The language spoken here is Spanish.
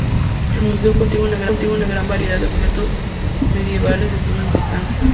El museo contiene una gran variedad de objetos medievales de suma importancia.